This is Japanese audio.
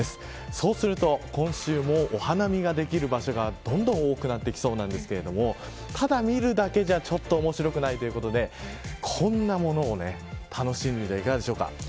そうすると今週もお花見ができる場所がどんどん多くなってきそうなんですけれどもただ見るだけではちょっと面白くないということでこんなものを楽しんでみてはいかがでしょうか。